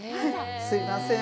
すいません。